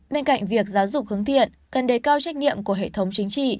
bên cạnh việc giáo dục hướng thiện cần đề cao trách nhiệm của hệ thống chính trị